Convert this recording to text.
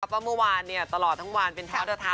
เมื่อวานเนี้ยตลอดทั้งวันเป็น